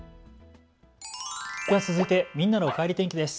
では続いてみんなのおかえり天気です。